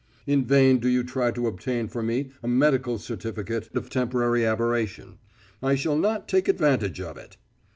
In vain do you try to obtain for me a medical certificate of temporary aberration. I shall not take advantage of it.